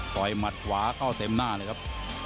ยหมัดขวาเข้าเต็มหน้าเลยครับ